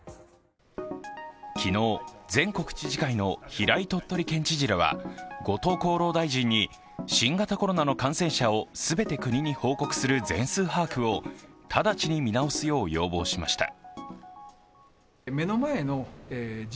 昨日、全国知事会の平井鳥取県知事らは、後藤厚労大臣に新型コロナの感染者を全て国に報告する全数把握を直ちに見直すよう要望しました。